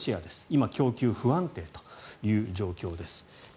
今、供給不安定という状況です。